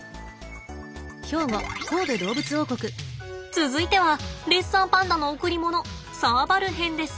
続いてはレッサーパンダの贈り物サーバル編です。